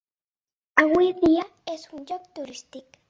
Avui dia és un lloc turístic.